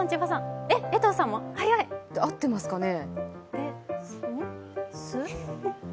合ってますかね？